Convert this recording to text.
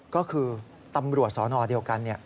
ก็คือตำรวจสอนอธรรมเดียวกัน